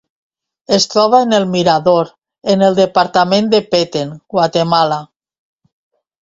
Es troba en El Mirador, en el departament de Petén, Guatemala.